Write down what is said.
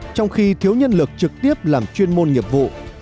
trong khi thiếu nhân lực trực tiếp làm chuyên môn nghiệp vụ